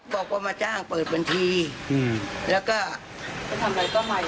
บอกว่ามาจ้างเปิดบัญชีแล้วก็